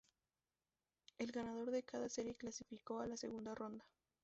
El ganador de cada serie clasificó a la segunda ronda.